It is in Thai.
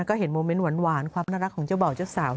ก็เห็นโมเมนต์หวานความน่ารักของเจ้าบ่าวเจ้าสาว